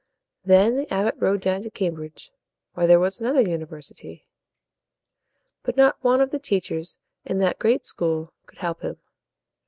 Then the abbot rode down to Cam bridge, where there was another u ni ver si ty. But not one of the teachers in that great school could help him.